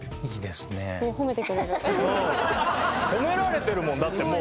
褒められてるもんだってもう。